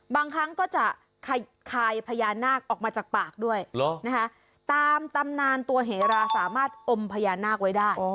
บางครั้งก็จะคายพญานาคออกมาจากปากด้วยตามตำนานตัวเหราสามารถอมพญานาคไว้ได้